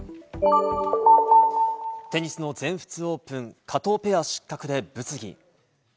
テニスの全仏オープン、加藤ペア失格で物議。